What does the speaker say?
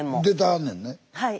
はい。